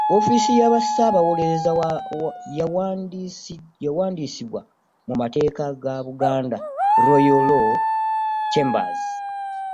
Woofiisi ya ssaabawolereza yawandiisibwa mu mateeka nga Buganda Royal Law Chambers.